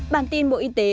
bản tin bộ y tế